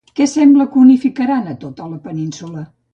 Què sembla que unificaran a tota la península?